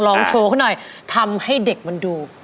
ลองโชว์เขาหน่อยทำให้เด็กมันดู